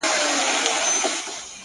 د سترگو توره سـتــا بـلا واخلـمـه’